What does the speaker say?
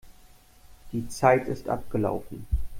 Die Zeit ist abgelaufen.